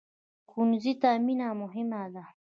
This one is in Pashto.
ښوونځی ته مینه مهمه ده